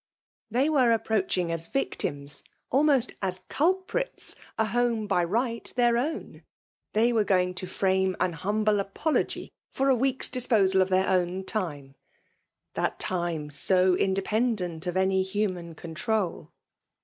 They were approaching as victims, almost as culprits, a home by right their own ; jthey were going to frame an humUe apology for a week's disposal of their own time, ^that time so independent of any human con* trol.